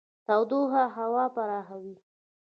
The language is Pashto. تودوخه هوا پراخوي.